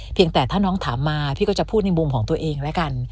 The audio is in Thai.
เพียงแต่ถ้าน้องถามมาพี่ก็จะพูดในมุมของตัวเองแล้วกัน